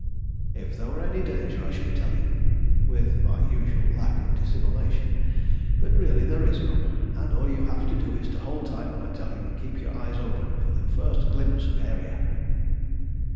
"If there were any danger I should tell you with my usual lack of dissimulation. But really there is none, and all you have to do is to hold tight when I tell you, and keep your eyes open for the first glimpse of Aeria."